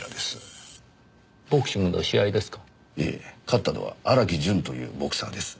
勝ったのは荒木淳というボクサーです。